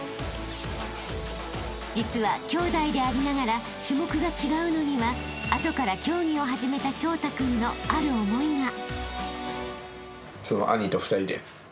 ［実は兄弟でありながら種目が違うのには後から競技を始めた彰太君のある思いが］